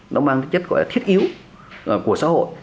nó mang cái chất gọi là thiết yếu của xã hội